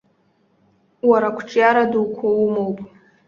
Уара ақәҿиара дуқәа умоуп!